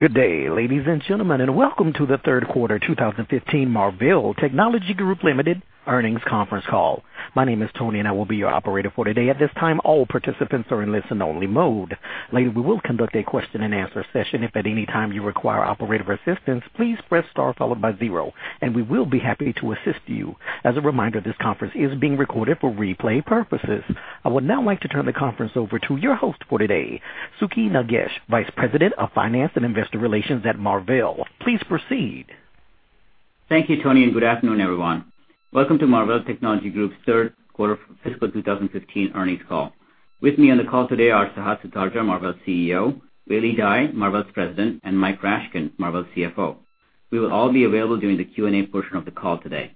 Good day, ladies and gentlemen, and welcome to the third quarter 2015 Marvell Technology Group Ltd. earnings conference call. My name is Tony, and I will be your operator for today. At this time, all participants are in listen-only mode. Later, we will conduct a question-and-answer session. If at any time you require operator assistance, please press star followed by zero, and we will be happy to assist you. As a reminder, this conference is being recorded for replay purposes. I would now like to turn the conference over to your host for today, Sukhi Nagesh, Vice President of Finance and Investor Relations at Marvell. Please proceed. Thank you, Tony, and good afternoon, everyone. Welcome to Marvell Technology Group's third quarter fiscal 2015 earnings call. With me on the call today are Sehat Sutardja, Marvell's CEO; Weili Dai, Marvell's President; and Michael Rashkin, Marvell's CFO. We will all be available during the Q&A portion of the call today.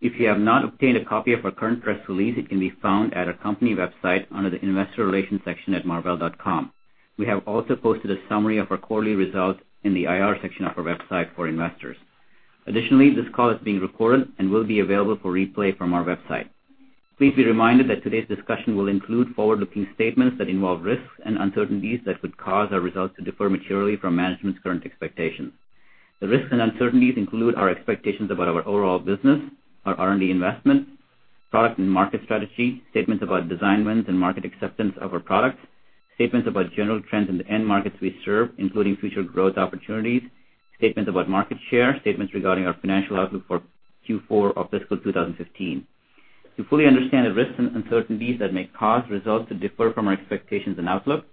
If you have not obtained a copy of our current press release, it can be found at our company website under the investor relations section at marvell.com. We have also posted a summary of our quarterly results in the IR section of our website for investors. Additionally, this call is being recorded and will be available for replay from our website. Please be reminded that today's discussion will include forward-looking statements that involve risks and uncertainties that could cause our results to differ materially from management's current expectations. The risks and uncertainties include our expectations about our overall business, our R&D investment, product and market strategy, statements about design wins and market acceptance of our products, statements about general trends in the end markets we serve, including future growth opportunities, statements about market share, statements regarding our financial outlook for Q4 of fiscal 2015. To fully understand the risks and uncertainties that may cause results to differ from our expectations and outlook,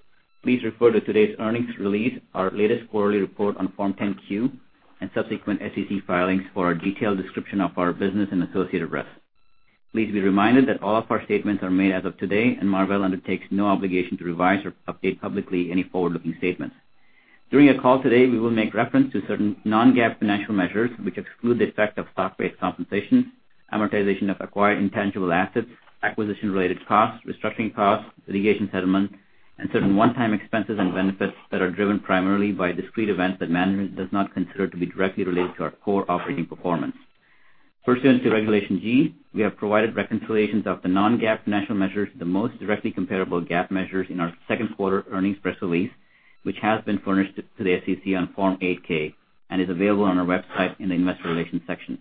please refer to today's earnings release, our latest quarterly report on Form 10-Q, and subsequent SEC filings for a detailed description of our business and associated risks. Please be reminded that all of our statements are made as of today, and Marvell undertakes no obligation to revise or update publicly any forward-looking statements. During the call today, we will make reference to certain non-GAAP financial measures, which exclude the effect of stock-based compensation, amortization of acquired intangible assets, acquisition-related costs, restructuring costs, litigation settlements, and certain one-time expenses and benefits that are driven primarily by discrete events that management does not consider to be directly related to our core operating performance. Pursuant to Regulation G, we have provided reconciliations of the non-GAAP financial measures, the most directly comparable GAAP measures in our second quarter earnings press release, which has been furnished to the SEC on Form 8-K and is available on our website in the investor relations section.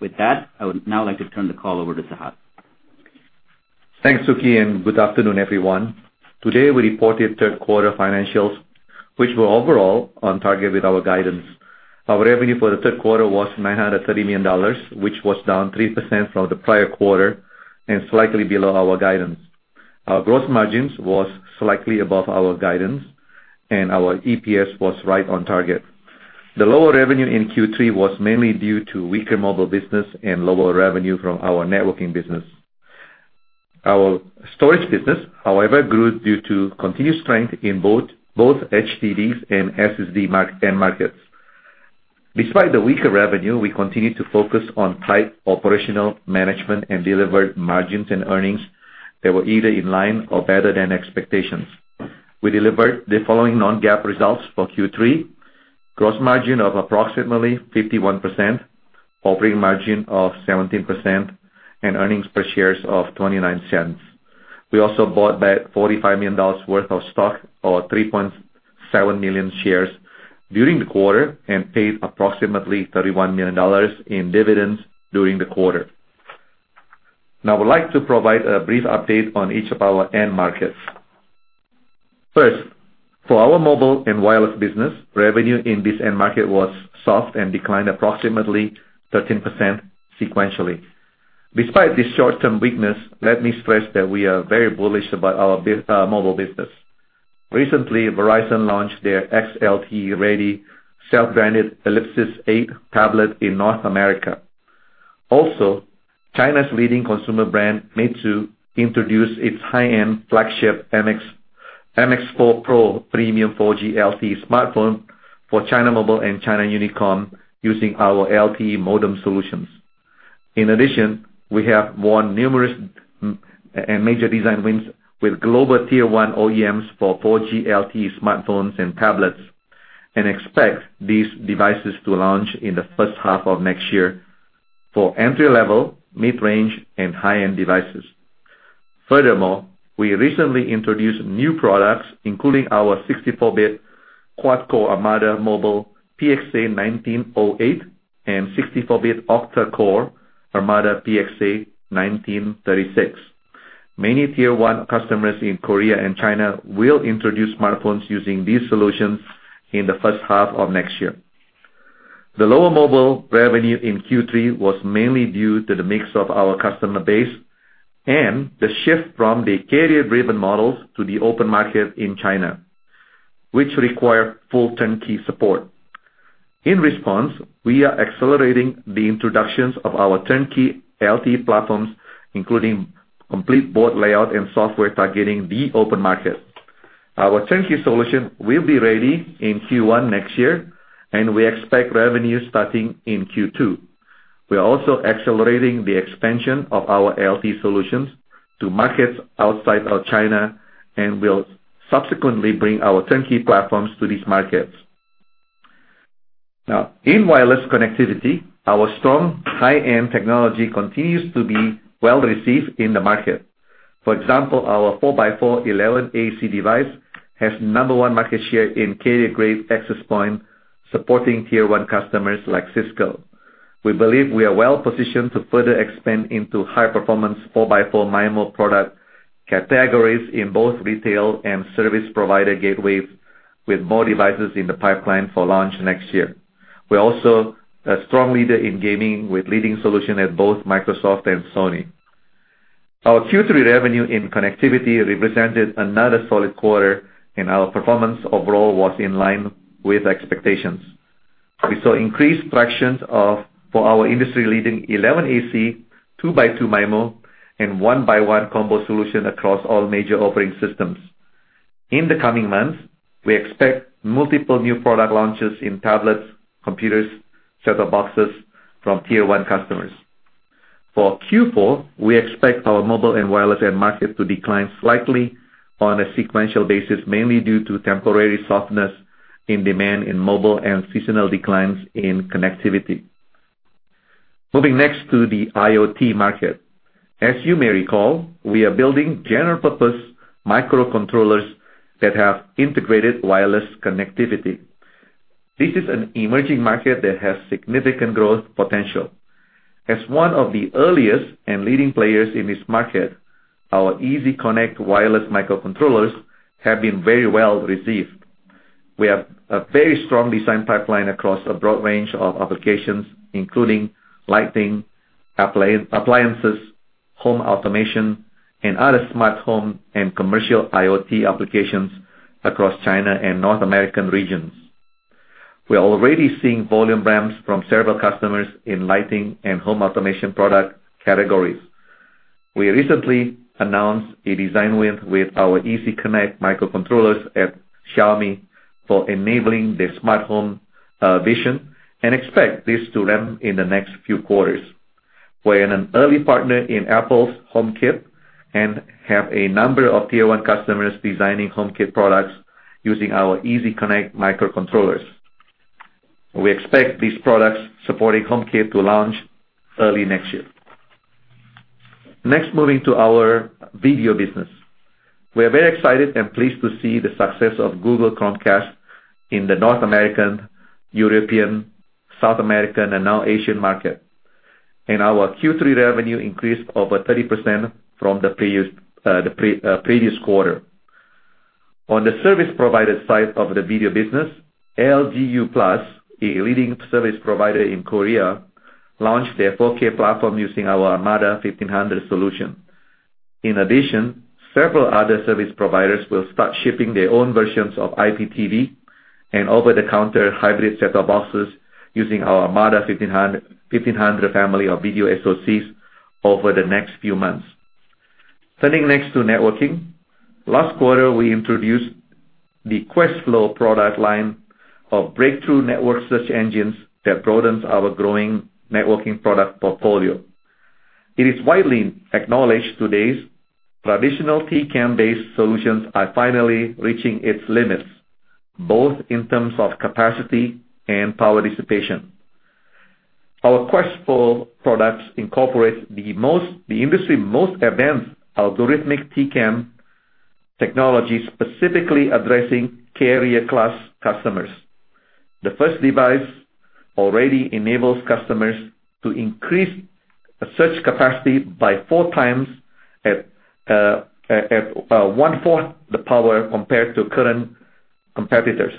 With that, I would now like to turn the call over to Sehat. Thanks, Sukhi. Good afternoon, everyone. Today, we reported third-quarter financials, which were overall on target with our guidance. Our revenue for the third quarter was $930 million, which was down 3% from the prior quarter and slightly below our guidance. Our gross margins was slightly above our guidance, and our EPS was right on target. The lower revenue in Q3 was mainly due to weaker mobile business and lower revenue from our networking business. Our storage business, however, grew due to continued strength in both HDDs and SSD end markets. Despite the weaker revenue, we continued to focus on tight operational management and delivered margins and earnings that were either in line or better than expectations. We delivered the following non-GAAP results for Q3: gross margin of approximately 51%, operating margin of 17%, and earnings per share of $0.29. We also bought back $45 million worth of stock or 3.7 million shares during the quarter and paid approximately $31 million in dividends during the quarter. I would like to provide a brief update on each of our end markets. First, for our mobile and wireless business, revenue in this end market was soft and declined approximately 13% sequentially. Despite this short-term weakness, let me stress that we are very bullish about our mobile business. Recently, Verizon launched their XLTE-ready, self-branded Ellipsis 8 tablet in North America. Also, China's leading consumer brand, Meizu, introduced its high-end flagship MX4 Pro premium 4G LTE smartphone for China Mobile and China Unicom using our LTE modem solutions. We have won numerous and major design wins with global tier 1 OEMs for 4G LTE smartphones and tablets and expect these devices to launch in the first half of next year for entry-level, mid-range, and high-end devices. We recently introduced new products, including our 64-bit quad-core Armada mobile PXA1908 and 64-bit octa-core Armada PXA1936. Many tier-1 customers in Korea and China will introduce smartphones using these solutions in the first half of next year. The lower mobile revenue in Q3 was mainly due to the mix of our customer base and the shift from the carrier-driven models to the open market in China, which require full turnkey support. In response, we are accelerating the introductions of our turnkey LTE platforms, including complete board layout and software targeting the open market. Our turnkey solution will be ready in Q1 next year, and we expect revenue starting in Q2. We are also accelerating the expansion of our LTE solutions to markets outside of China and will subsequently bring our turnkey platforms to these markets. In wireless connectivity, our strong high-end technology continues to be well-received in the market. For example, our four by four 11AC device has number 1 market share in carrier grade access point, supporting tier 1 customers like Cisco. We believe we are well-positioned to further expand into high performance four by four MIMO product categories in both retail and service provider gateways, with more devices in the pipeline for launch next year. We are also a strong leader in gaming with leading solution at both Microsoft and Sony. Our Q3 revenue in connectivity represented another solid quarter, and our performance overall was in line with expectations. We saw increased traction for our industry-leading 11AC, two by two MIMO, and one by one combo solution across all major operating systems. In the coming months, we expect multiple new product launches in tablets, computers, set-top boxes from tier 1 customers. For Q4, we expect our mobile and wireless end market to decline slightly on a sequential basis, mainly due to temporary softness in demand in mobile and seasonal declines in connectivity. Moving next to the IoT market. As you may recall, we are building general purpose microcontrollers that have integrated wireless connectivity. This is an emerging market that has significant growth potential. As one of the earliest and leading players in this market, our EZ-Connect wireless microcontrollers have been very well received. We have a very strong design pipeline across a broad range of applications, including lighting, appliances, home automation, and other smart home and commercial IoT applications across China and North American regions. We are already seeing volume ramps from several customers in lighting and home automation product categories. We recently announced a design win with our EZ-Connect microcontrollers at Xiaomi for enabling their smart home vision, and expect this to ramp in the next few quarters. We are an early partner in Apple's HomeKit, and have a number of tier 1 customers designing HomeKit products using our EZ-Connect microcontrollers. We expect these products supporting HomeKit to launch early next year. Next, moving to our video business. We are very excited and pleased to see the success of Google Chromecast in the North American, European, South American, and now Asian market. Our Q3 revenue increased over 30% from the previous quarter. On the service provider side of the video business, LG U+, a leading service provider in Korea, launched their 4K platform using our Armada 1500 solution. In addition, several other service providers will start shipping their own versions of IPTV and over-the-top hybrid set-top boxes using our Armada 1500 family of video SoCs over the next few months. Turning next to networking. Last quarter, we introduced the Questflo product line of breakthrough network search engines that broadens our growing networking product portfolio. It is widely acknowledged today, traditional TCAM-based solutions are finally reaching its limits, both in terms of capacity and power dissipation. Our Questflo products incorporate the industry's most advanced algorithmic TCAM technology, specifically addressing carrier class customers. The first device already enables customers to increase the search capacity by four times at one-fourth the power compared to current competitors,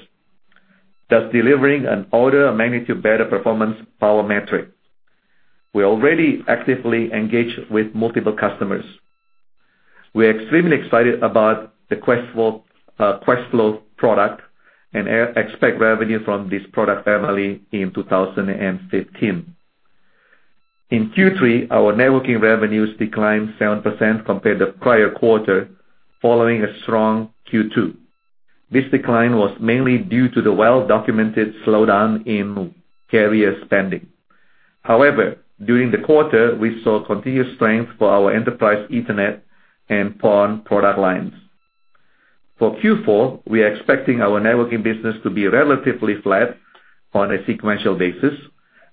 thus delivering an order of magnitude better performance power metric. We already actively engage with multiple customers. We are extremely excited about the Questflo product and expect revenue from this product family in 2015. In Q3, our networking revenues declined 7% compared to prior quarter, following a strong Q2. This decline was mainly due to the well-documented slowdown in carrier spending. However, during the quarter, we saw continued strength for our enterprise Ethernet and PON product lines. For Q4, we are expecting our networking business to be relatively flat on a sequential basis,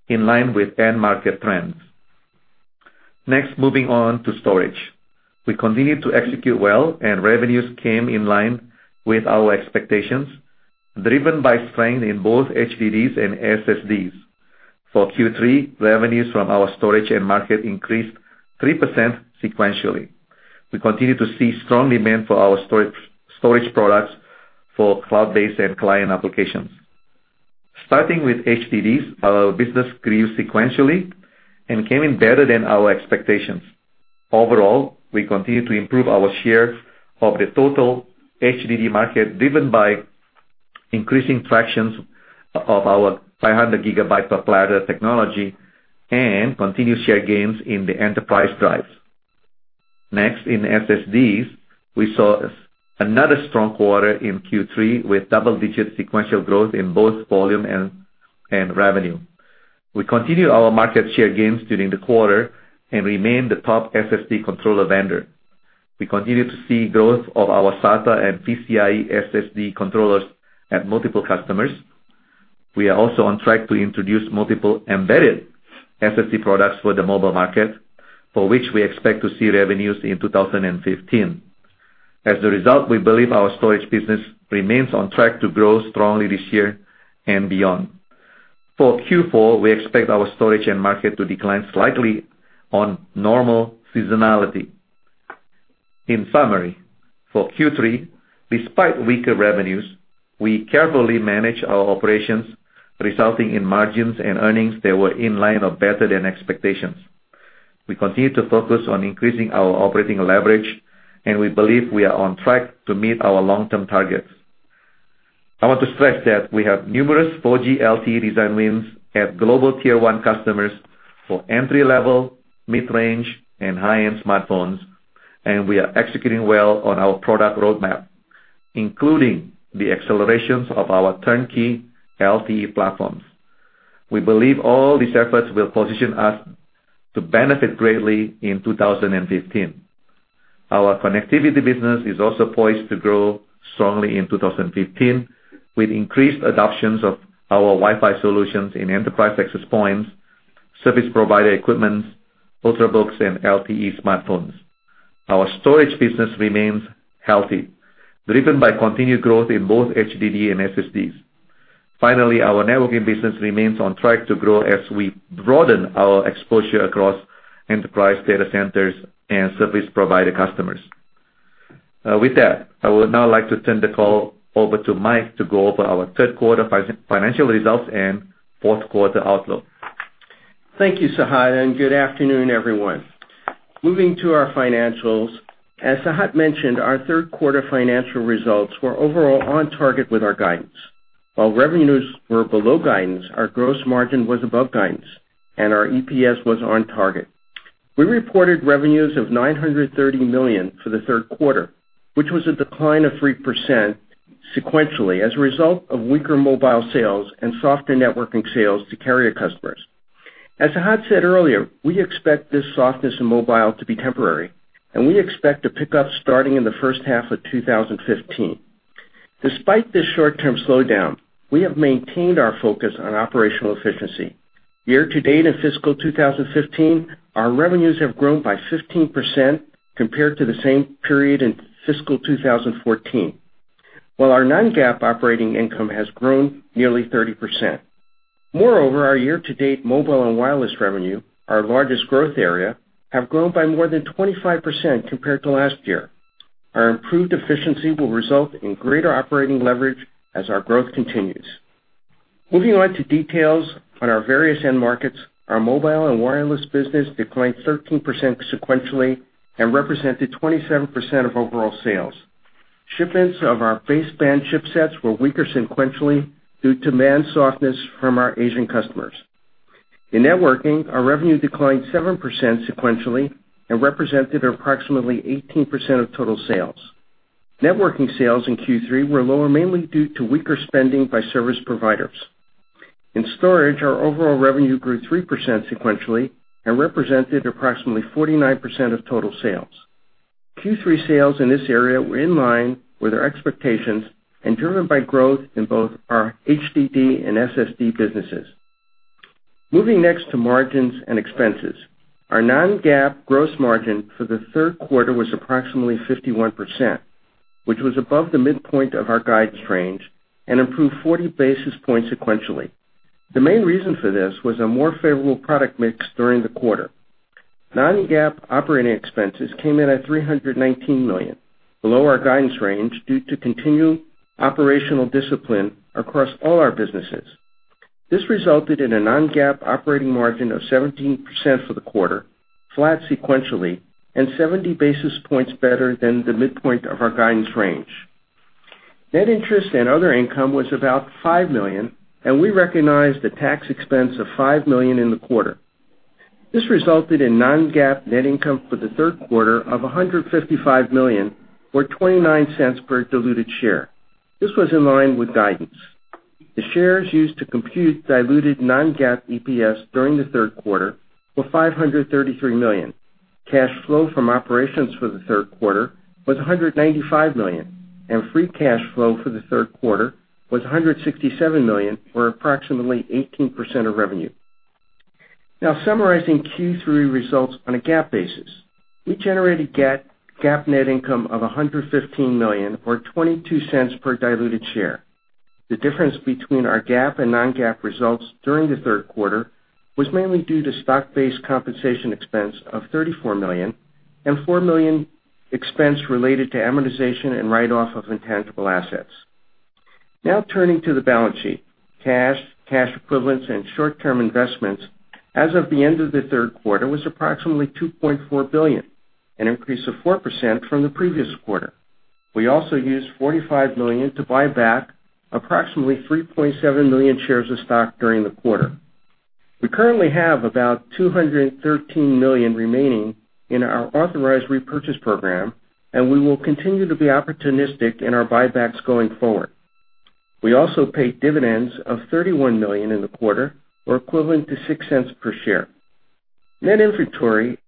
in line with end market trends. Next, moving on to storage. We continued to execute well, revenues came in line with our expectations, driven by strength in both HDDs and SSDs. For Q3, revenues from our storage end market increased 3% sequentially. We continue to see strong demand for our storage products for cloud-based and client applications. Starting with HDDs, our business grew sequentially and came in better than our expectations. Overall, we continue to improve our share of the total HDD market, driven by increasing fractions of our 500 GB per platter technology and continued share gains in the enterprise drives. Next, in SSDs, we saw another strong quarter in Q3 with double-digit sequential growth in both volume and revenue. We continued our market share gains during the quarter and remained the top SSD controller vendor. We continued to see growth of our SATA and PCIe SSD controllers at multiple customers. We are also on track to introduce multiple embedded SSD products for the mobile market, for which we expect to see revenues in 2015. As a result, we believe our storage business remains on track to grow strongly this year and beyond. For Q4, we expect our storage end market to decline slightly on normal seasonality. In summary, for Q3, despite weaker revenues, we carefully managed our operations, resulting in margins and earnings that were in line or better than expectations. We continue to focus on increasing our operating leverage, we believe we are on track to meet our long-term targets. I want to stress that we have numerous 4G LTE design wins at global tier 1 customers for entry-level, mid-range, and high-end smartphones, we are executing well on our product roadmap, including the accelerations of our turnkey LTE platforms. We believe all these efforts will position us to benefit greatly in 2015. Our connectivity business is also poised to grow strongly in 2015, with increased adoptions of our Wi-Fi solutions in enterprise access points, service provider equipment, ultrabooks, and LTE smartphones. Our storage business remains healthy, driven by continued growth in both HDD and SSDs. Finally, our networking business remains on track to grow as we broaden our exposure across enterprise data centers and service provider customers. With that, I would now like to turn the call over to Mike to go over our third quarter financial results and fourth quarter outlook. Thank you, Sehat, good afternoon, everyone. Moving to our financials. As Sehat mentioned, our third quarter financial results were overall on target with our guidance. While revenues were below guidance, our gross margin was above guidance, our EPS was on target. We reported revenues of $930 million for the third quarter, which was a decline of 3% sequentially, as a result of weaker mobile sales and softer networking sales to carrier customers. As Sehat said earlier, we expect this softness in mobile to be temporary, we expect a pickup starting in the first half of 2015. Despite this short-term slowdown, we have maintained our focus on operational efficiency. Year-to-date in fiscal 2015, our revenues have grown by 15% compared to the same period in fiscal 2014, while our non-GAAP operating income has grown nearly 30%. Moreover, our year-to-date mobile and wireless revenue, our largest growth area, have grown by more than 25% compared to last year. Our improved efficiency will result in greater operating leverage as our growth continues. Moving on to details on our various end markets. Our mobile and wireless business declined 13% sequentially and represented 27% of overall sales. Shipments of our baseband chipsets were weaker sequentially due to demand softness from our Asian customers. In networking, our revenue declined 7% sequentially and represented approximately 18% of total sales. Networking sales in Q3 were lower, mainly due to weaker spending by service providers. In storage, our overall revenue grew 3% sequentially and represented approximately 49% of total sales. Q3 sales in this area were in line with our expectations and driven by growth in both our HDD and SSD businesses. Moving next to margins and expenses. Our non-GAAP gross margin for the third quarter was approximately 51%, which was above the midpoint of our guidance range and improved 40 basis points sequentially. The main reason for this was a more favorable product mix during the quarter. Non-GAAP operating expenses came in at $319 million, below our guidance range due to continued operational discipline across all our businesses. This resulted in a non-GAAP operating margin of 17% for the quarter, flat sequentially, and 70 basis points better than the midpoint of our guidance range. Net interest and other income was about $5 million, and we recognized a tax expense of $5 million in the quarter. This resulted in non-GAAP net income for the third quarter of $155 million or $0.29 per diluted share. This was in line with guidance. The shares used to compute diluted non-GAAP EPS during the third quarter were 533 million. Cash flow from operations for the third quarter was $195 million, and free cash flow for the third quarter was $167 million, or approximately 18% of revenue. Now, summarizing Q3 results on a GAAP basis. We generated GAAP net income of $115 million or $0.22 per diluted share. The difference between our GAAP and non-GAAP results during the third quarter was mainly due to stock-based compensation expense of $34 million and $4 million expense related to amortization and write-off of intangible assets. Now turning to the balance sheet. Cash, cash equivalents, and short-term investments as of the end of the third quarter was approximately $2.4 billion, an increase of 4% from the previous quarter. We also used $45 million to buy back approximately 3.7 million shares of stock during the quarter. We currently have about $213 million remaining in our authorized repurchase program, and we will continue to be opportunistic in our buybacks going forward. We also paid dividends of $31 million in the quarter, or equivalent to $0.06 per share. Net inventory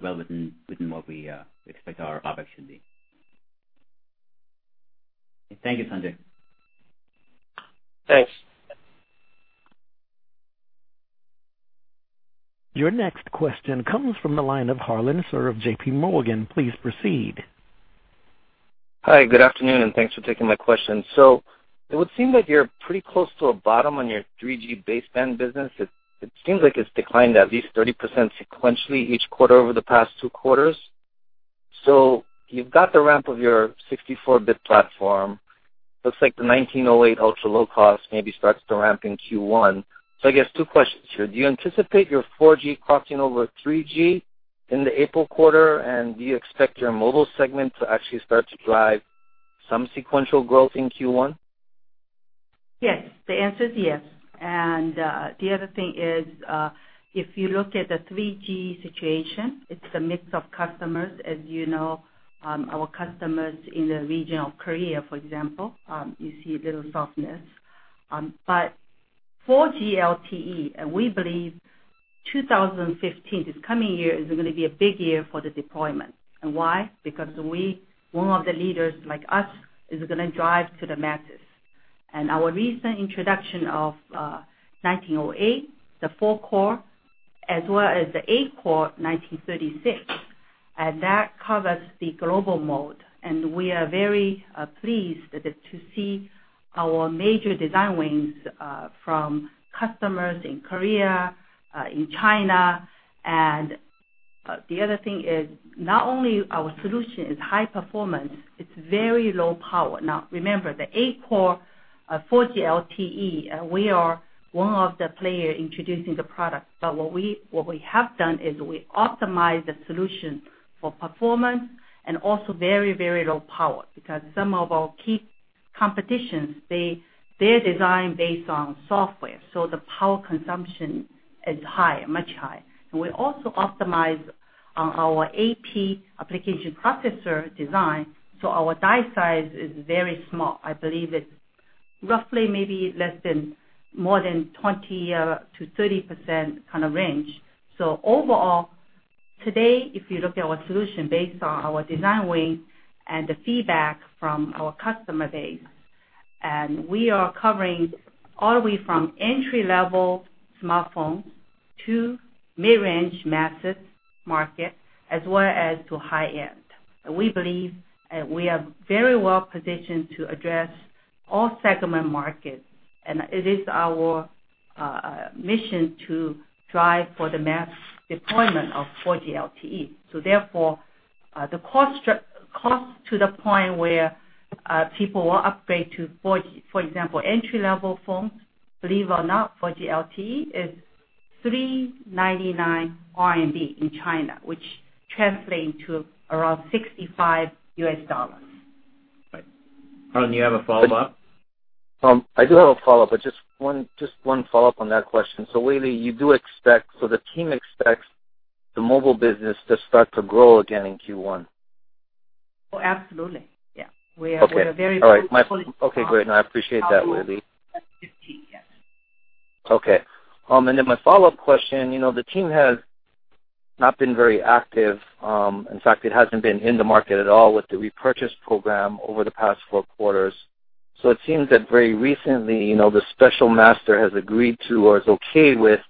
Be well within what we expect our OpEx should be. Thank you, Sanjay. Thanks. Your next question comes from the line of Harlan Sur of J.P. Morgan. Please proceed. Hi, good afternoon, and thanks for taking my question. It would seem that you're pretty close to a bottom on your 3G baseband business. It seems like it's declined at least 30% sequentially each quarter over the past two quarters. You've got the ramp of your 64-bit platform. Looks like the 1908 ultra-low-cost maybe starts to ramp in Q1. I guess two questions here. Do you anticipate your 4G crossing over 3G in the April quarter, and do you expect your mobile segment to actually start to drive some sequential growth in Q1? Yes. The answer is yes. The other thing is, if you look at the 3G situation, it's a mix of customers. As you know, our customers in the region of Korea, for example, you see a little softness. 4G LTE, and we believe 2015, this coming year, is going to be a big year for the deployment. Why? Because one of the leaders, like us, is going to drive to the masses. Our recent introduction of 1908, the four-core, as well as the eight-core PXA1936, that covers the global mode. We are very pleased to see our major design wins from customers in Korea, in China. The other thing is, not only our solution is high performance, it's very low power. Now remember, the eight-core 4G LTE, we are one of the players introducing the product. What we have done is we optimized the solution for performance and also very low power, because some of our key competitors, their design based on software, so the power consumption is much higher. We also optimize our AP, application processor, design, so our die size is very small. I believe it's roughly maybe 20%-30% kind of range. Overall, today, if you look at our solution based on our design win and the feedback from our customer base, we are covering all the way from entry-level smartphones to mid-range mass market, as well as to high-end. We believe we are very well-positioned to address all segment markets, and it is our mission to drive for the mass deployment of 4G LTE. Therefore, the cost to the point where people will upgrade to 4G, for example, entry-level phones, believe it or not, 4G LTE is 399 RMB in China, which translate into around $65. Right. Harlan, do you have a follow-up? I do have a follow-up, but just one follow-up on that question. Weili, the team expects the mobile business to start to grow again in Q1? Oh, absolutely. Yeah. Okay. We are at a very- All right. Okay, great. No, I appreciate that, Weili. Yes. Okay. My follow-up question, the team has not been very active. In fact, it hasn't been in the market at all with the repurchase program over the past four quarters. It seems that very recently, the special master has agreed to, or is okay with,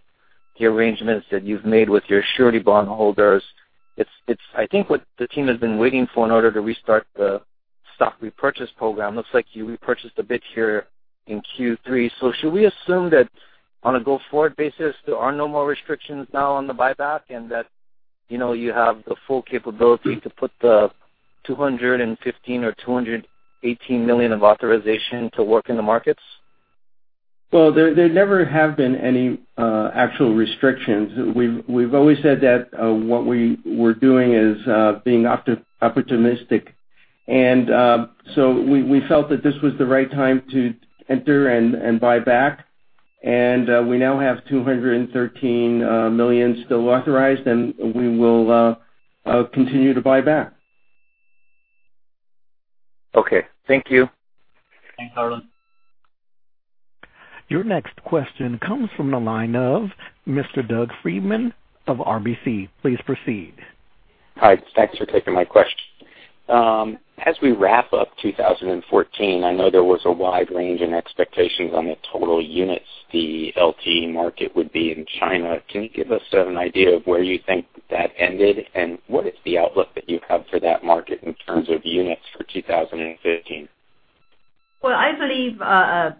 the arrangements that you've made with your surety bond holders. I think what the team has been waiting for in order to restart the stock repurchase program, looks like you repurchased a bit here in Q3. Should we assume that on a go-forward basis, there are no more restrictions now on the buyback and that you have the full capability to put the $215 million or $218 million of authorization to work in the markets? Well, there never have been any actual restrictions. We've always said that what we were doing is being opportunistic. We felt that this was the right time to enter and buy back. We now have $213 million still authorized, and we will continue to buy back. Okay. Thank you. Thanks, Harlan. Your next question comes from the line of Mr. Doug Freedman of RBC. Please proceed. Hi. Thanks for taking my question. As we wrap up 2014, I know there was a wide range in expectations on the total units the LTE market would be in China. Can you give us an idea of where you think that ended, and what is the outlook that you have for that market in terms of units for 2015? Well, I believe,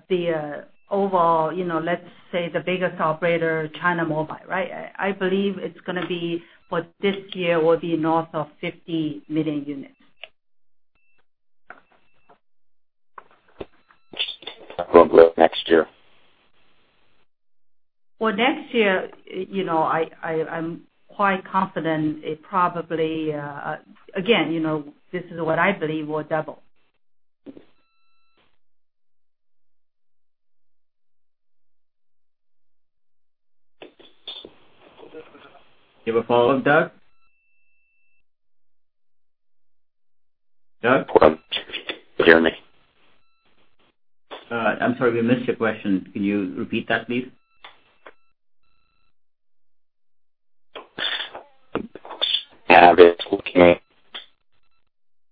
the overall, let's say the biggest operator, China Mobile. I believe it's going to be for this year, will be north of 50 million units. Next year. For next year, I'm quite confident it probably, again, this is what I believe, will double. You have a follow-up, Doug? Doug? All right. I'm sorry, we missed your question. Can you repeat that, please?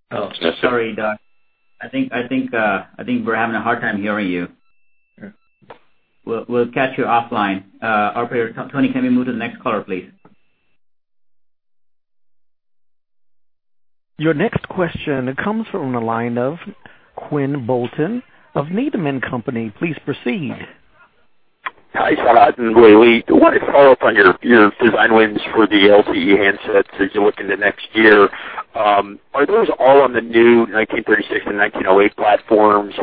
Oh, sorry, Doug. I think we're having a hard time hearing you. Sure. We'll catch you offline. Operator, Tony, can we move to the next caller, please? Your next question comes from the line of Quinn Bolton of Needham & Company. Please proceed. Hi, Sukhi and Weili. I want to follow up on your design wins for the LTE handsets as you look into next year. Are those all on the new PXA1936 and 1908 platforms?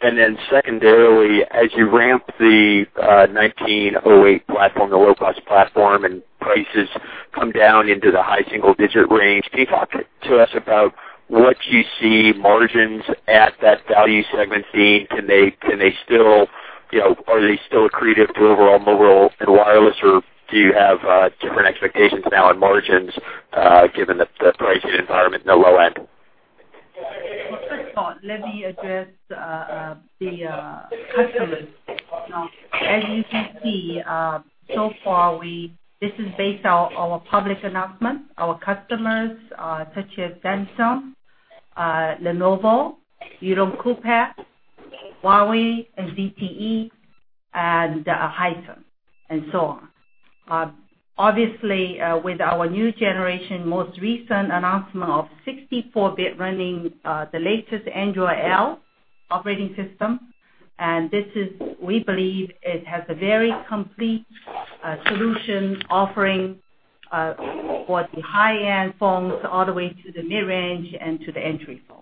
Then secondarily, as you ramp the 1908 platform, the low-cost platform, and prices come down into the high single-digit range, can you talk to us about what you see margins at that value segment being? Are they still accretive to overall mobile and wireless, or do you have different expectations now on margins, given the pricing environment in the low end? First of all, let me address the customers. As you can see, so far, this is based on our public announcement. Our customers, such as Samsung, Lenovo, Yulong, Huawei, ZTE, Haier, and so on. Obviously, with our new generation, most recent announcement of 64-bit running the latest Android Lollipop operating system, we believe it has a very complete solution offering for the high-end phones all the way to the mid-range and to the entry phone.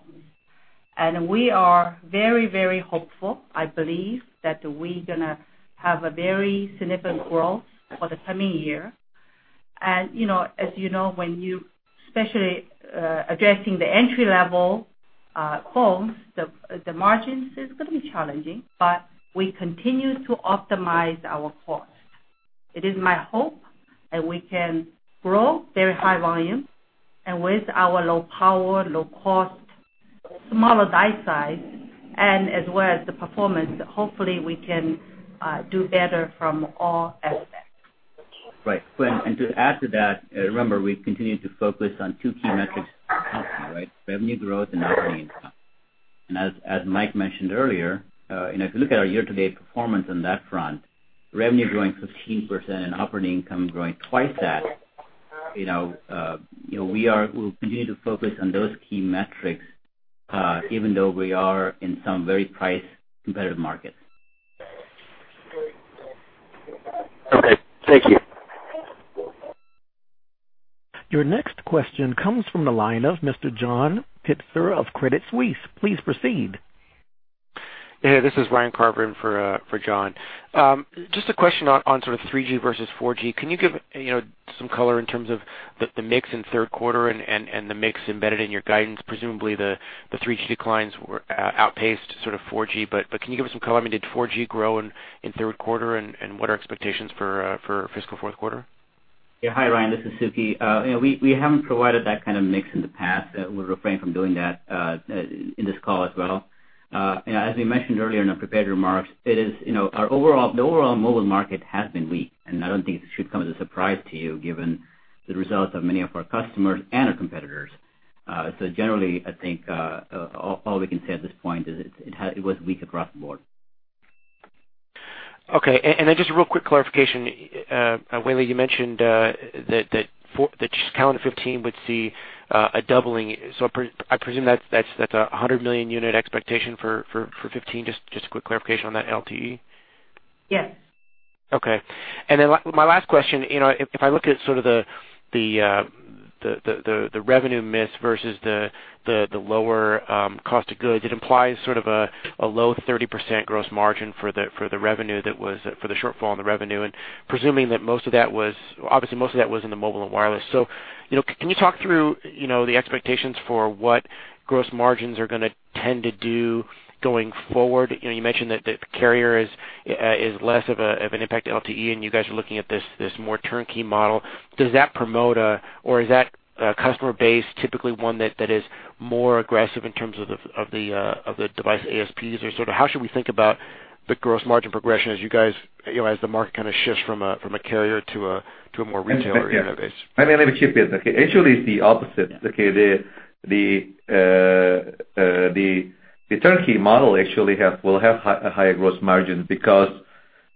We are very hopeful, I believe, that we're going to have a very significant growth for the coming year. As you know, when especially addressing the entry-level phones, the margins is going to be challenging, but we continue to optimize our cost. It is my hope that we can grow very high volume and with our low power, low cost, smaller die size, as well as the performance, hopefully we can do better from all aspects. Right. To add to that, remember, we continue to focus on two key metrics, right? Revenue growth and operating income. As Mike mentioned earlier, if you look at our year-to-date performance on that front, revenue growing 15% and operating income growing twice that. We'll continue to focus on those key metrics, even though we are in some very price competitive markets. Okay. Thank you. Your next question comes from the line of John Pitzer of Credit Suisse. Please proceed. This is Ryan Carver in for John. Just a question on sort of 3G versus 4G. Can you give some color in terms of the mix in third quarter and the mix embedded in your guidance? Presumably, the 3G declines outpaced sort of 4G, but can you give us some color? I mean, did 4G grow in third quarter? What are expectations for fiscal fourth quarter? Hi, Ryan. This is Sukhi. We haven't provided that kind of mix in the past. We'll refrain from doing that in this call as well. As we mentioned earlier in our prepared remarks, the overall mobile market has been weak, I don't think it should come as a surprise to you given the results of many of our customers and our competitors. Generally, I think all we can say at this point is it was weak across the board. Just a real quick clarification. Weili, you mentioned that calendar 2015 would see a doubling. I presume that's 100 million unit expectation for 2015. Just a quick clarification on that LTE. Yes. Okay. My last question, if I look at sort of the revenue miss versus the lower cost of goods, it implies sort of a low 30% gross margin for the shortfall on the revenue. Presuming that most of that was obviously in the mobile and wireless. Can you talk through the expectations for what gross margins are going to tend to do going forward? You mentioned that the carrier is less of an impact to LTE, and you guys are looking at this more turnkey model. Does that promote a, or is that customer base typically one that is more aggressive in terms of the device ASPs? How should we think about the gross margin progression as the market kind of shifts from a carrier to a more retail unit base? I mean, let me chip in. Okay. Actually, it's the opposite. Okay. The turnkey model actually will have a higher gross margin because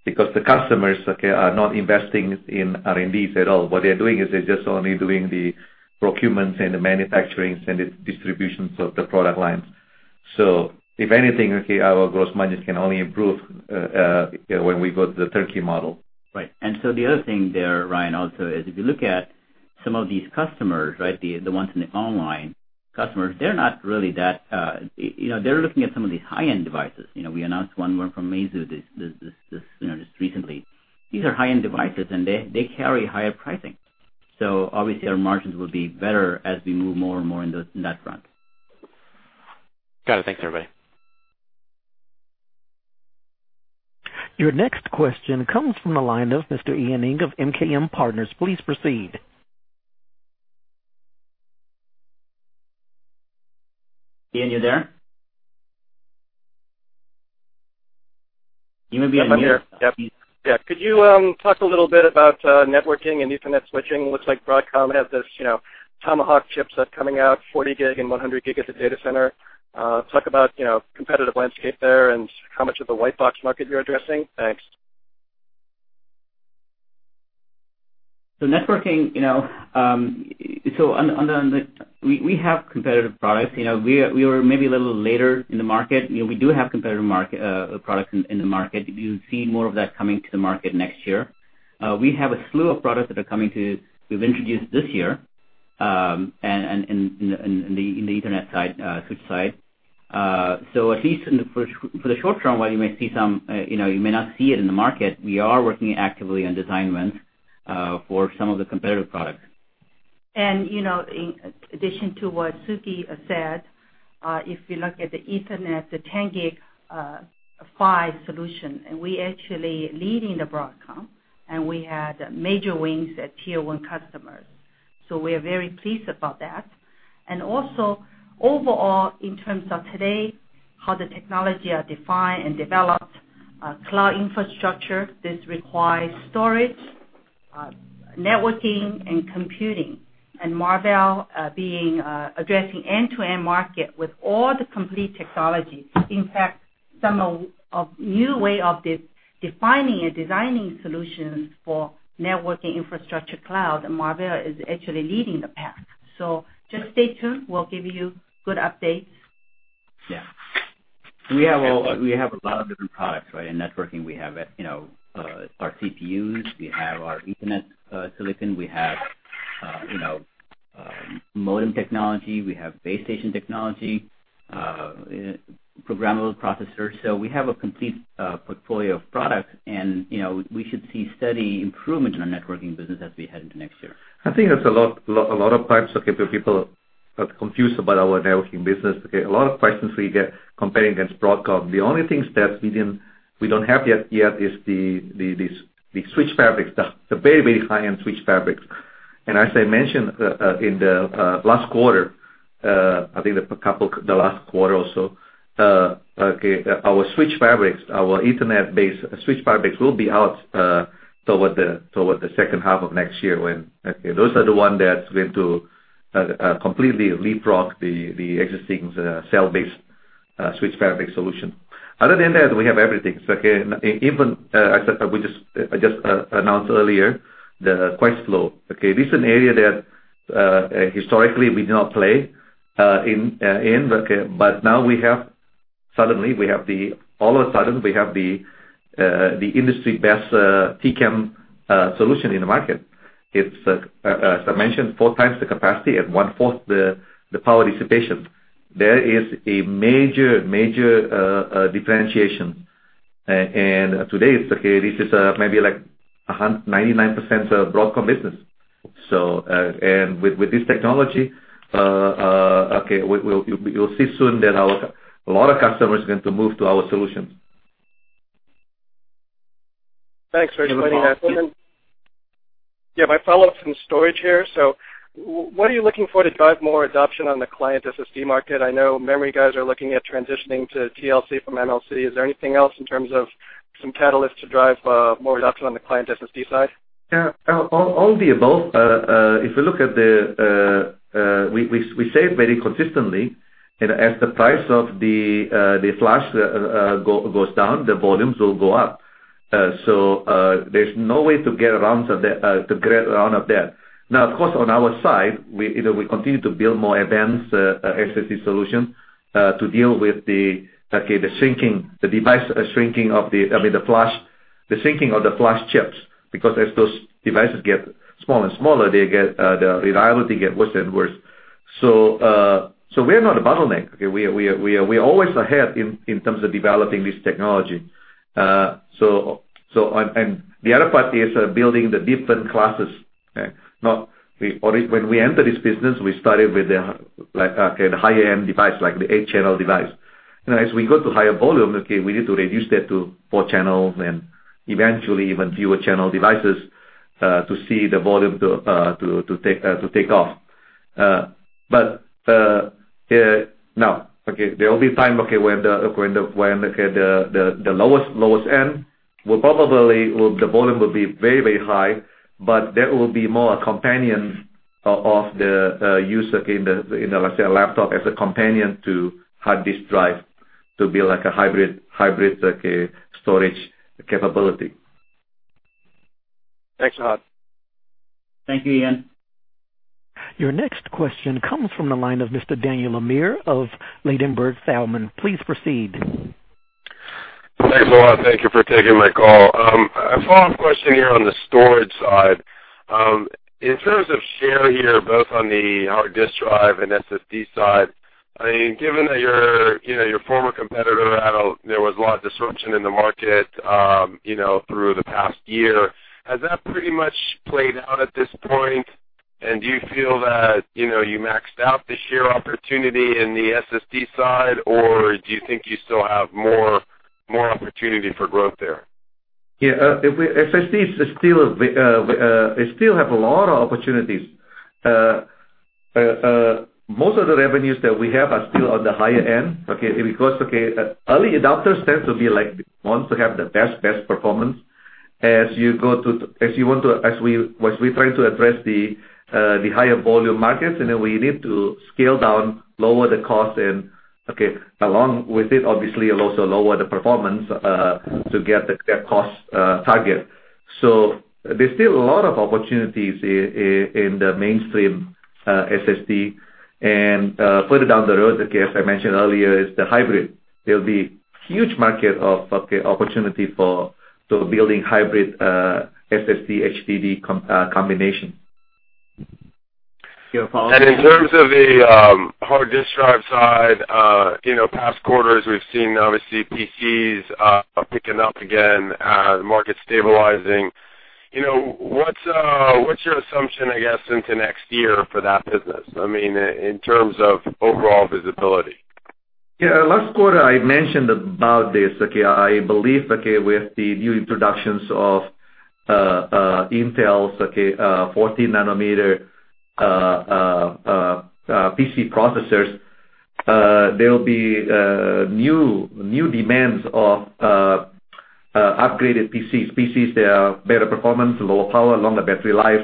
the customers, okay, are not investing in R&Ds at all. What they're doing is they're just only doing the procurements and the manufacturing and the distributions of the product lines. If anything, okay, our gross margins can only improve when we go to the turnkey model. Right. The other thing there, Ryan, also is if you look at some of these customers, right, the ones in the online customers, they're looking at some of these high-end devices. We announced one more from Meizu just recently. These are high-end devices, and they carry higher pricing. Obviously our margins will be better as we move more and more in that front. Got it. Thanks, everybody. Your next question comes from the line of Mr. Ian Ing of MKM Partners. Please proceed. Ian, you there? You may be on mute. I'm here. Yeah. Could you talk a little bit about networking and Ethernet switching? Looks like Broadcom has this Tomahawk chipset coming out, 40 gig and 100 gig at the data center. Talk about competitive landscape there and how much of the white box market you're addressing. Thanks. Networking, we have competitive products. We were maybe a little later in the market. We do have competitive products in the market. You'll see more of that coming to the market next year. We have a slew of products that we've introduced this year. In the Ethernet switch side. At least for the short term, while you may not see it in the market, we are working actively on design wins for some of the competitive products. In addition to what Sukhi said, if you look at the Ethernet, the 10 GigE PHY solution, we actually leading Broadcom. We had major wins at tier 1 customers. We are very pleased about that. Also, overall, in terms of today, how the technology are defined and developed. Cloud infrastructure, this requires storage, networking, and computing. Marvell addressing end-to-end market with all the complete technology. In fact, some of new way of defining and designing solutions for networking infrastructure cloud, Marvell is actually leading the pack. Just stay tuned. We'll give you good updates. Yeah. We have a lot of different products, right. In networking, we have our CPUs, we have our Ethernet silicon, we have modem technology, we have base station technology, programmable processors. We have a complete portfolio of products and we should see steady improvement in our networking business as we head into next year. I think there's a lot of times, people are confused about our networking business. A lot of questions we get comparing against Broadcom. The only things that we don't have yet is the switch fabrics, the very high-end switch fabrics. As I mentioned in the last quarter, I think the last quarter also, our switch fabrics, our Ethernet-based switch fabrics will be out toward the second half of next year when those are the ones that's going to completely leapfrog the existing cell-based switch fabric solution. Other than that, we have everything. I just announced earlier the Questflo. This is an area that historically we do not play in, but now suddenly, all of a sudden, we have the industry-best TCAM solution in the market. As I mentioned, 4 times the capacity at one-fourth the power dissipation. There is a major differentiation. Today, this is maybe like 99% Broadcom business. With this technology, you'll see soon that a lot of customers are going to move to our solutions. Thanks for explaining that. Yeah, my follow-up from storage here. What are you looking for to drive more adoption on the client SSD market? I know memory guys are looking at transitioning to TLC from MLC. Is there anything else in terms of some catalyst to drive more adoption on the client SSD side? Yeah. On the above, we say it very consistently, as the price of the flash goes down, the volumes will go up. There's no way to get around of that. Now, of course, on our side, we continue to build more advanced SSD solution to deal with the shrinking of the flash chips, because as those devices get smaller and smaller, the reliability get worse and worse. We are not a bottleneck. We are always ahead in terms of developing this technology. The other part is building the different classes. When we enter this business, we started with the high-end device, like the eight-channel device. As we go to higher volume, we need to reduce that to four channels and eventually even fewer channel devices, to see the volume to take off. There will be time, when the lowest end will probably, the volume will be very high, but there will be more companions of the user in the, let's say, a laptop as a companion to hard disk drive to be like a hybrid storage capability. Thanks a lot. Thank you, Ian. Your next question comes from the line of Mr. Daniel Amir of Ladenburg Thalmann. Please proceed. Thanks a lot. Thank you for taking my call. A follow-up question here on the storage side. In terms of share here, both on the hard disk drive and SSD side, given that your former competitor had a lot of disruption in the market through the past year, has that pretty much played out at this point? Do you feel that you maxed out the share opportunity in the SSD side, or do you think you still have more opportunity for growth there? Yeah. SSD still have a lot of opportunities. Most of the revenues that we have are still on the higher end, okay, because early adopters tend to be like, want to have the best performance. As we try to address the higher volume markets, and then we need to scale down, lower the cost and along with it, obviously, also lower the performance to get the cost target. There's still a lot of opportunities in the mainstream SSD. Further down the road, as I mentioned earlier, is the hybrid. There'll be huge market of opportunity for building hybrid SSD HDD combination. In terms of the hard disk drive side, past quarters, we've seen, obviously, PCs picking up again, the market stabilizing. What's your assumption, I guess, into next year for that business? In terms of overall visibility. Yeah. Last quarter, I mentioned about this. I believe with the new introductions of Intel's 14 nanometer PC processors, there will be new demands of upgraded PCs. PCs, they are better performance, lower power, longer battery life.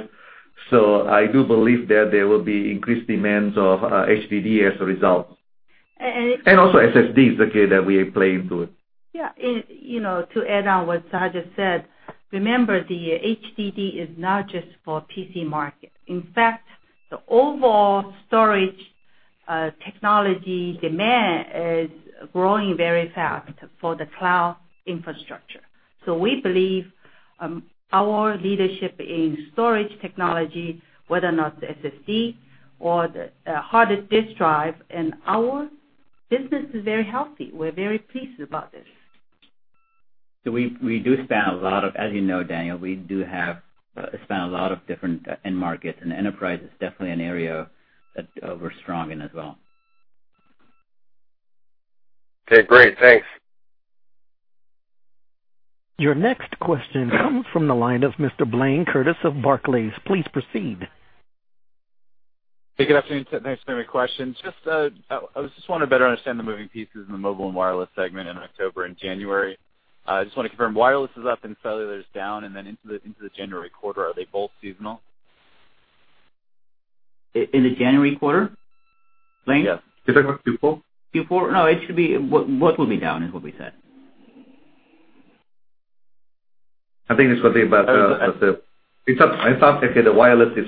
I do believe that there will be increased demands of HDD as a result. And- Also SSDs, that we play into it. Yeah. To add on what Sehat has just said, remember, the HDD is not just for PC market. In fact, the overall storage technology demand is growing very fast for the cloud infrastructure. We believe our leadership in storage technology, whether or not the SSD or the hardest disk drive, and our business is very healthy. We're very pleased about this. We do span a lot of, as you know, Daniel, we do span a lot of different end markets, and enterprise is definitely an area that we're strong in as well. Okay, great. Thanks. Your next question comes from the line of Mr. Blayne Curtis of Barclays. Please proceed. Hey, good afternoon. Thanks for taking my question. Just, I just wanted to better understand the moving pieces in the mobile and wireless segment in October and January. I just want to confirm, wireless is up and cellular is down, and then into the January quarter, are they both seasonal? In the January quarter, Blayne? Yeah. You're talking about Q4? Q4. It should be, what will be down is what we said. I think it's going to be. It's up, okay, the wireless is,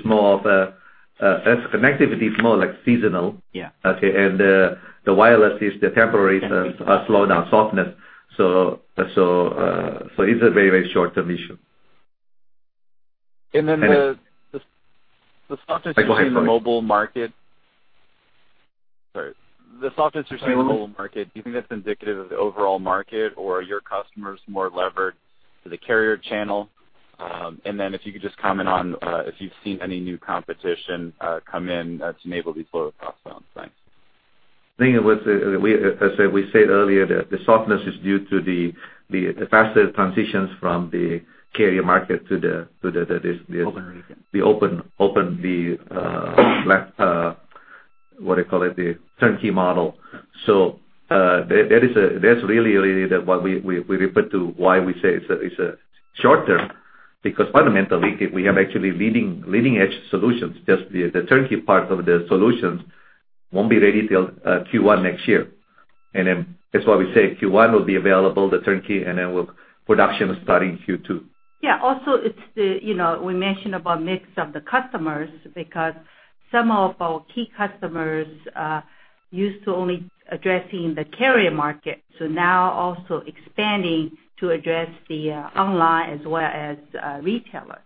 connectivity is more like seasonal. Yeah. Okay. The wireless is the temporary Temporary. Slowdown, softness. It's a very short-term issue. The softness you see Go ahead, sorry. -in the mobile market. Sorry. The softness you see in the mobile market, do you think that's indicative of the overall market or your customers more levered to the carrier channel? Then if you could just comment on if you've seen any new competition come in to enable these lower costs down. Thanks. I think as we said earlier, the softness is due to the faster transitions from the carrier market to the- open market. -the open, what do you call it, the turnkey model. That's really what we refer to, why we say it's short-term, because fundamentally, we have actually leading-edge solutions, just the turnkey part of the solutions won't be ready till Q1 next year. Then that's why we say Q1 will be available, the turnkey, then production will start in Q2. We mentioned about mix of the customers, because some of our key customers used to only addressing the carrier market, now also expanding to address the online as well as retailer.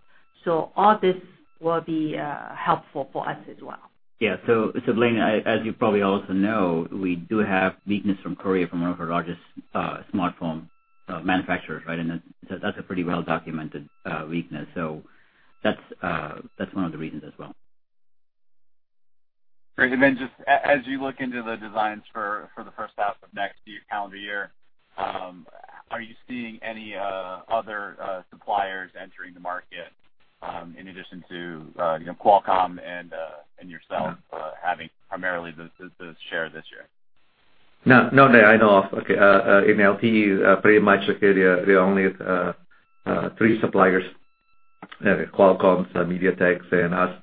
All this will be helpful for us as well. Blayne, as you probably also know, we do have weakness from Korea, from one of our largest smartphone manufacturers. That's a pretty well-documented weakness. That's one of the reasons as well. Great. Just as you look into the designs for the first half of next calendar year, are you seeing any other suppliers entering the market, in addition to Qualcomm and yourself having primarily the share this year? None that I know of. In LTE, pretty much, there are only three suppliers, Qualcomm, MediaTek, and us.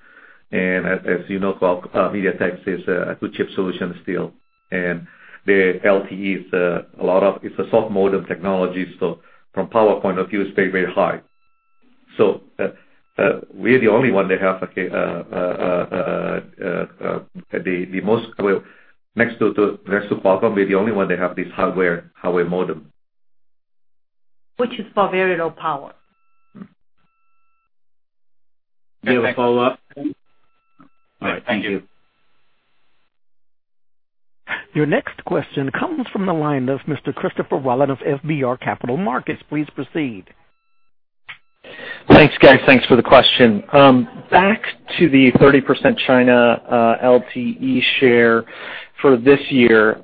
As you know, MediaTek is a good chip solution still. The LTE is a soft modem technology, from power point of view, it's very high. We're the only one that have the most, next to Qualcomm, we're the only one that have this hardware modem. Which is for very low power. Do you have a follow-up? All right. Thank you. Your next question comes from the line of Mr. Christopher Rolland of FBR Capital Markets. Please proceed. Thanks, guys. Thanks for the question. Back to the 30% China LTE share for this year,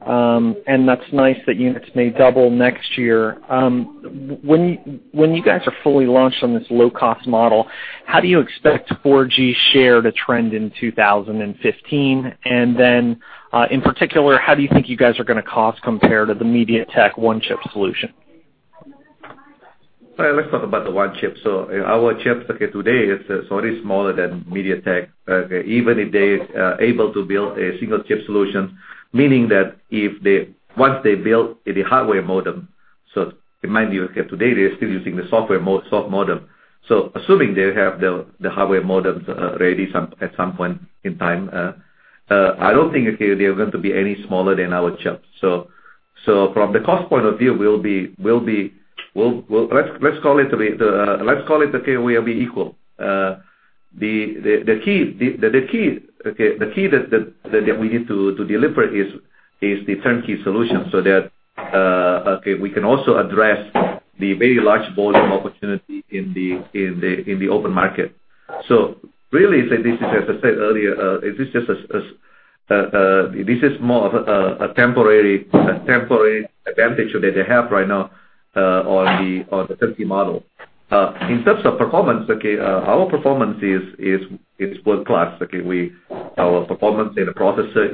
and that's nice that units may double next year. When you guys are fully launched on this low-cost model, how do you expect 4G share to trend in 2015? Then, in particular, how do you think you guys are going to cost compare to the MediaTek one-chip solution? Let's talk about the one chip. Our chips today is already smaller than MediaTek, even if they able to build a single chip solution, meaning that once they built the hardware modem. Remind you, today they're still using the soft modem. Assuming they have the hardware modems ready at some point in time, I don't think they're going to be any smaller than our chips. From the cost point of view, let's call it, we will be equal. The key that we need to deliver is the turnkey solution, so that we can also address the very large volume opportunity in the open market. Really, as I said earlier, this is more of a temporary advantage that they have right now on the turnkey model. In terms of performance, our performance is world-class. Our performance in the processor,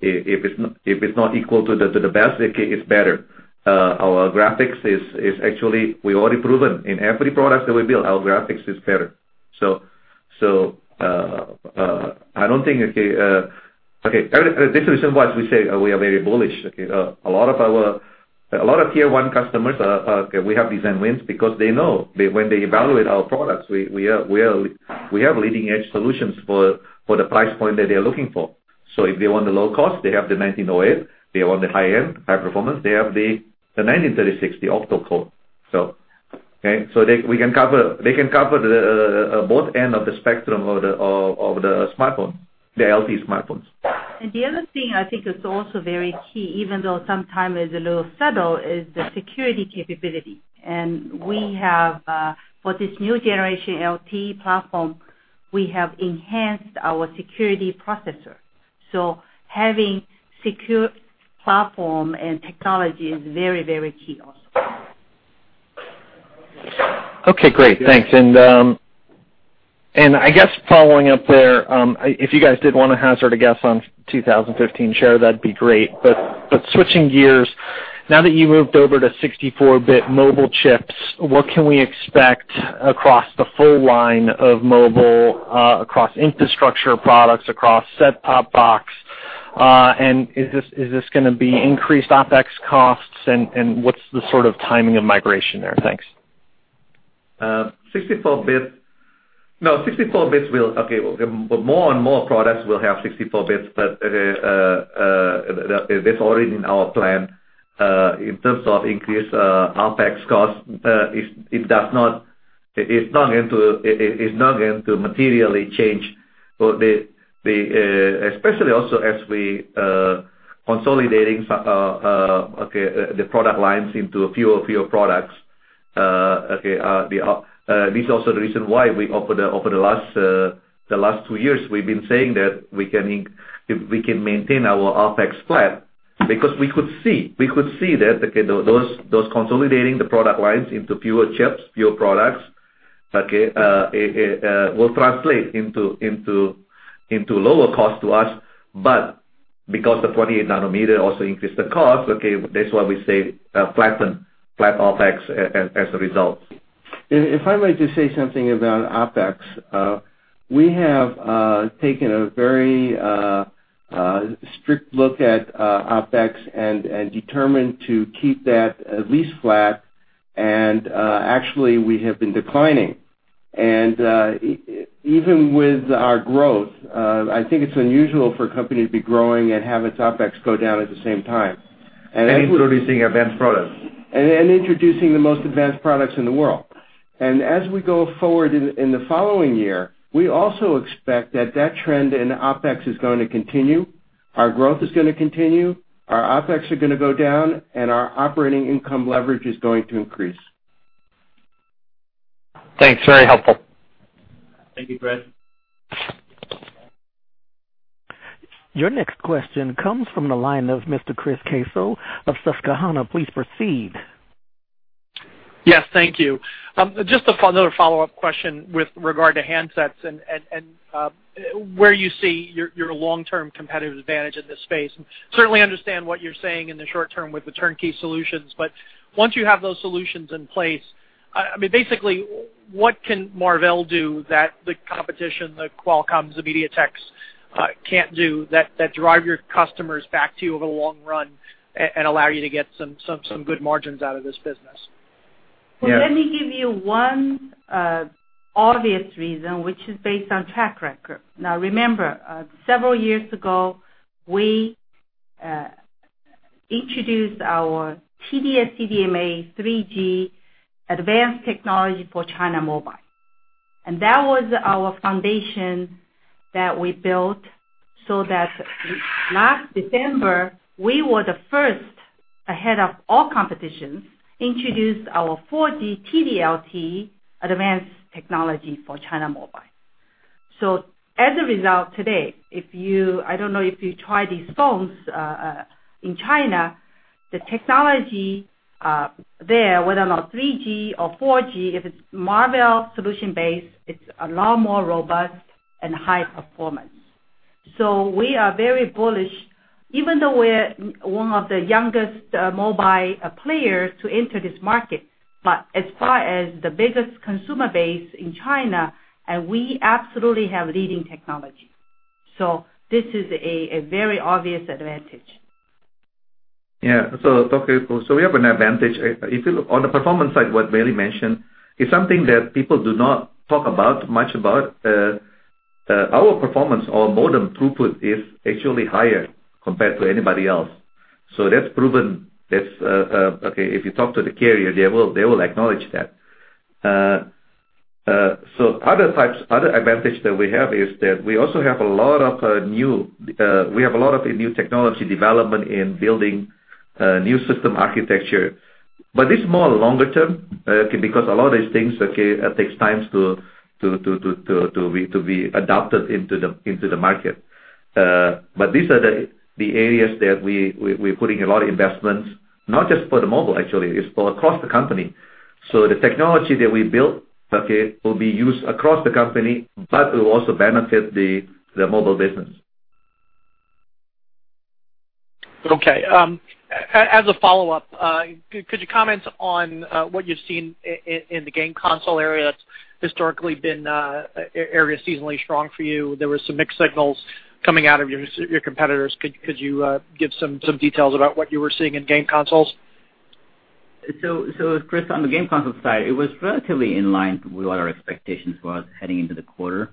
if it's not equal to the best, it's better. Our graphics is actually, we already proven in every product that we build, our graphics is better. This is the reason why we say we are very bullish. A lot of tier 1 customers, we have design wins because they know when they evaluate our products, we have leading edge solutions for the price point that they're looking for. If they want the low cost, they have the 1908. They want the high-end, high performance, they have the PXA1936, the octa-core. They can cover the both end of the spectrum of the smartphone, the LTE smartphones. The other thing I think is also very key, even though sometimes it's a little subtle, is the security capability. For this new generation LTE platform, we have enhanced our security processor. Having secure platform and technology is very, very key also. Okay, great. Thanks. I guess following up there, if you guys did want to hazard a guess on 2015 share, that'd be great. Switching gears, now that you moved over to 64-bit mobile chips, what can we expect across the full line of mobile, across infrastructure products, across set-top box? Is this gonna be increased OpEx costs and what's the sort of timing of migration there? Thanks. 64 bit. More and more products will have 64 bits, but that's already in our plan. In terms of increased OpEx cost, it's not going to materially change. Especially also as we consolidating the product lines into fewer products. This is also the reason why over the last two years, we've been saying that we can maintain our OpEx flat because we could see that those consolidating the product lines into fewer chips, fewer products, will translate into lower cost to us. Because the 28 nanometer also increased the cost, that's why we say flat OpEx as a result. If I might just say something about OpEx. We have taken a very strict look at OpEx and determined to keep that at least flat, and actually we have been declining. Even with our growth, I think it's unusual for a company to be growing and have its OpEx go down at the same time. Introducing advanced products. Introducing the most advanced products in the world. As we go forward in the following year, we also expect that that trend in OpEx is going to continue. Our growth is going to continue, our OpEx are going to go down, and our operating income leverage is going to increase. Thanks. Very helpful. Thank you, Chris. Your next question comes from the line of Mr. Chris Caso of Susquehanna. Please proceed. Yes, thank you. Just another follow-up question with regard to handsets and where you see your long-term competitive advantage in this space. Certainly understand what you're saying in the short term with the turnkey solutions. Once you have those solutions in place, I mean, basically, what can Marvell do that the competition, the Qualcomms, the MediaTeks can't do, that drive your customers back to you over the long run and allow you to get some good margins out of this business? Let me give you one obvious reason, which is based on track record. Remember, several years ago, we introduced our TD-SCDMA 3G advanced technology for China Mobile. That was our foundation that we built so that last December, we were the first, ahead of all competition, introduce our 4G TD-LTE advanced technology for China Mobile. As a result, today, I don't know if you try these phones, in China, the technology there, whether or not 3G or 4G, if it's Marvell solution based, it's a lot more robust and high performance. We are very bullish, even though we're one of the youngest mobile players to enter this market. As far as the biggest consumer base in China, we absolutely have leading technology. This is a very obvious advantage. We have an advantage. If you look on the performance side, what Weili mentioned, it's something that people do not talk much about. Our performance or modem throughput is actually higher compared to anybody else. That's proven. If you talk to the carrier, they will acknowledge that. Other advantage that we have is that we also have a lot of new technology development in building new system architecture. It's more longer term, because a lot of these things takes time to be adopted into the market. These are the areas that we're putting a lot of investments, not just for the mobile actually, it's for across the company. The technology that we build will be used across the company, but it will also benefit the mobile business. As a follow-up, could you comment on what you've seen in the game console area that's historically been area seasonally strong for you? There were some mixed signals coming out of your competitors. Could you give some details about what you were seeing in game consoles? Chris, on the game console side, it was relatively in line with what our expectations was heading into the quarter.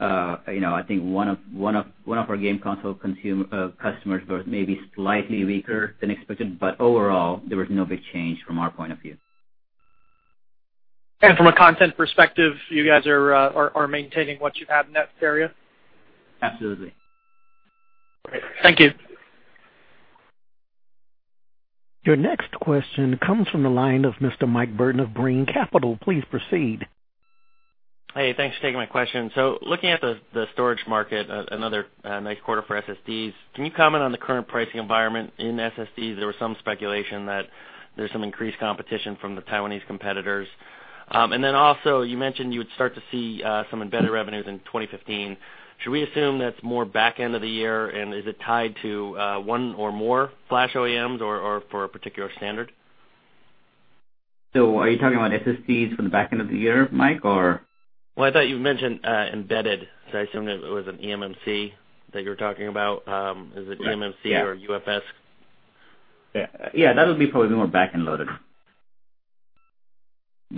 I think one of our game console customers was maybe slightly weaker than expected, overall, there was no big change from our point of view. From a content perspective, you guys are maintaining what you have in that area? Absolutely. Great. Thank you. Your next question comes from the line of Mr. Mike Burton of Brean Capital. Please proceed. Hey, thanks for taking my question. Looking at the storage market, another nice quarter for SSDs. Can you comment on the current pricing environment in SSDs? There was some speculation that there's some increased competition from the Taiwanese competitors. Also, you mentioned you would start to see some embedded revenues in 2015. Should we assume that's more back end of the year? Is it tied to one or more flash OEMs or for a particular standard? Are you talking about SSDs for the back end of the year, Mike, or? I thought you mentioned embedded, so I assumed it was an eMMC that you were talking about. Is it eMMC or UFS? That'll be probably more back-end loaded.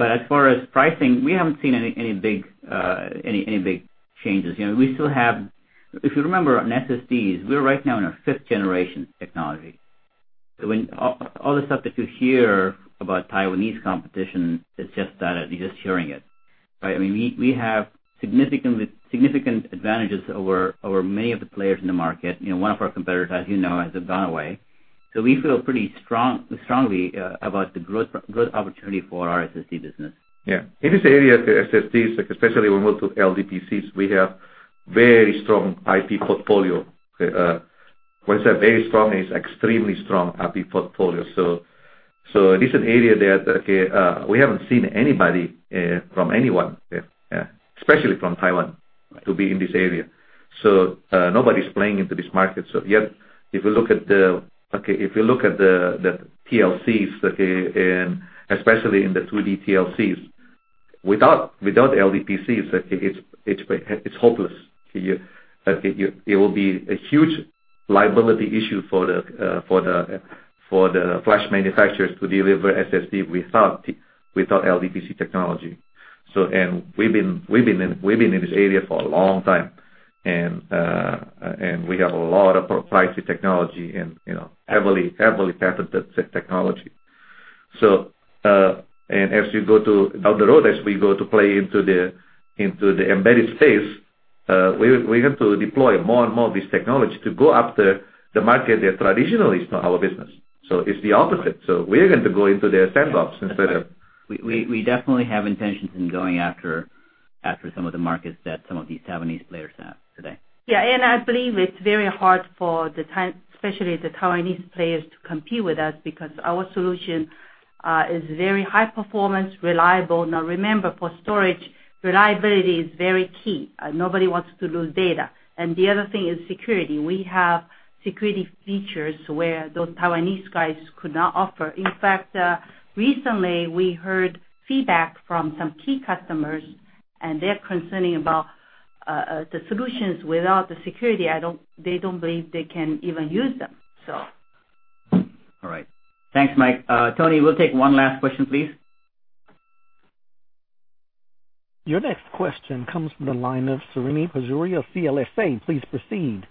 As far as pricing, we haven't seen any big changes. If you remember, on SSDs, we're right now in our fifth generation technology. When all the stuff that you hear about Taiwanese competition, you're just hearing it, right? We have significant advantages over many of the players in the market. One of our competitors, as you know, has gone away. We feel pretty strongly about the growth opportunity for our SSD business. In this area, the SSDs, especially when we look to LDPCs, we have very strong IP portfolio. When I say very strong, it's extremely strong IP portfolio. This is an area that we haven't seen anybody from anyone, especially from Taiwan, to be in this area. Nobody's playing into this market. Yet, if you look at the TLCs, especially in the 2D TLCs, without LDPCs, it's hopeless. It will be a huge liability issue for the flash manufacturers to deliver SSD without LDPC technology. We've been in this area for a long time, and we have a lot of proprietary technology and heavily patented technology. As we go down the road, as we go to play into the embedded space, we have to deploy more and more of this technology to go after the market that traditionally is not our business. It's the opposite. We're going to go into their sandboxes. We definitely have intentions in going after some of the markets that some of these Taiwanese players have today. I believe it's very hard for, especially the Taiwanese players to compete with us because our solution is very high performance, reliable. Remember, for storage, reliability is very key. Nobody wants to lose data. The other thing is security. We have security features where those Taiwanese guys could not offer. In fact, recently we heard feedback from some key customers, and they're concerned about the solutions without the security. They don't believe they can even use them. All right. Thanks, Mike. Tony, we'll take one last question, please. Your next question comes from the line of Srini Pajjuri of CLSA. Please proceed.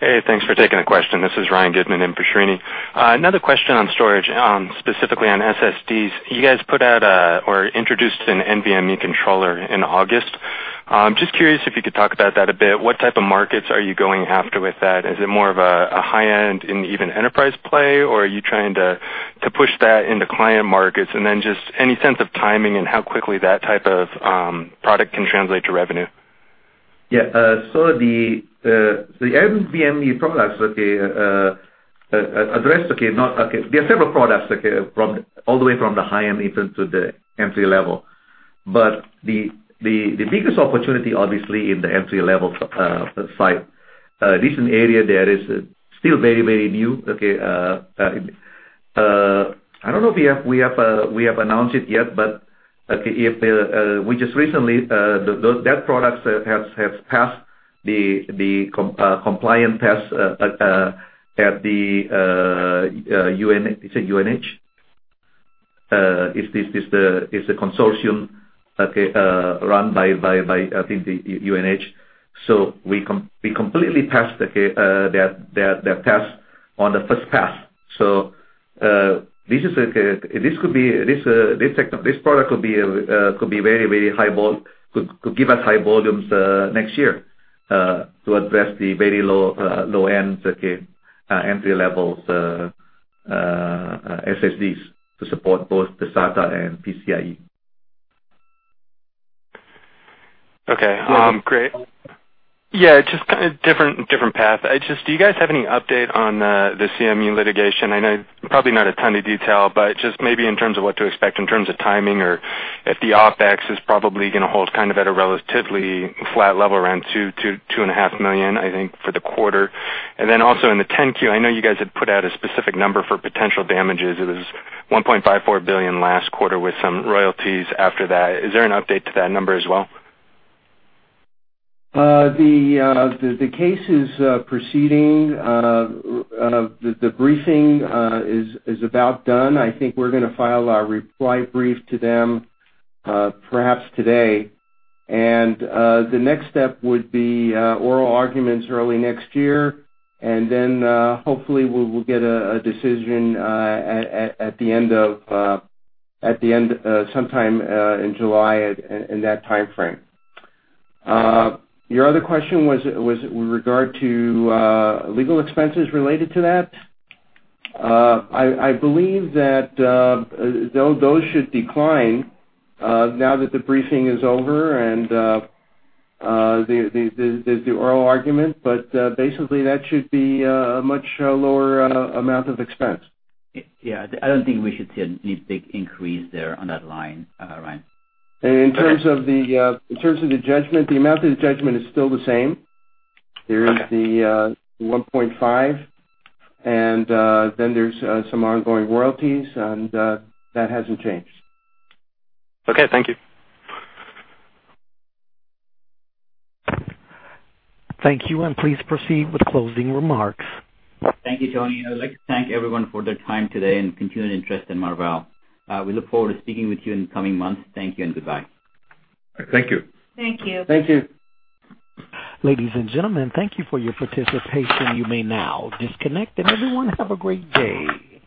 Hey, thanks for taking the question. This is Ryan Goodman in for Srini. Another question on storage, specifically on SSDs. You guys put out or introduced an NVMe controller in August. Just curious if you could talk about that a bit. What type of markets are you going after with that? Is it more of a high end in even enterprise play, or are you trying to push that into client markets? Then just any sense of timing and how quickly that type of product can translate to revenue? Yeah. The NVMe products address. There are several products all the way from the high end into the entry level. The biggest opportunity, obviously, in the entry level side. This an area that is still very new. I don't know if we have announced it yet, but we just recently, that product has passed the compliance test at the UNH-IOL. It's a consortium run by, I think, the UNH-IOL. We completely passed their test on the first pass. This product could give us high volumes next year to address the very low-end entry levels SSDs to support both the SATA and PCIe. Okay. Great. Yeah, just kind of different path. Do you guys have any update on the CMU litigation? I know probably not a ton of detail, but just maybe in terms of what to expect in terms of timing or if the OpEx is probably going to hold kind of at a relatively flat level around two and a half million, I think, for the quarter. Then also in the 10-Q, I know you guys had put out a specific number for potential damages. It was $1.54 billion last quarter with some royalties after that. Is there an update to that number as well? The case is proceeding. The briefing is about done. I think we're going to file our reply brief to them, perhaps today. The next step would be oral arguments early next year, then hopefully, we will get a decision sometime in July, in that timeframe. Your other question was with regard to legal expenses related to that? I believe that those should decline now that the briefing is over and there's the oral argument, but basically that should be a much lower amount of expense. Yeah. I don't think we should see a big increase there on that line, Ryan. In terms of the judgment, the amount of the judgment is still the same. There is the $1.5, then there's some ongoing royalties, that hasn't changed. Okay, thank you. Thank you, and please proceed with closing remarks. Thank you, Tony. I'd like to thank everyone for their time today and continuing interest in Marvell. We look forward to speaking with you in the coming months. Thank you and goodbye. Thank you. Thank you. Thank you. Ladies and gentlemen, thank you for your participation. You may now disconnect. Everyone, have a great day.